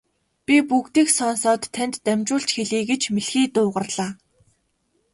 Би бүгдийг сонсоод танд дамжуулж хэлье гэж мэлхий дуугарлаа.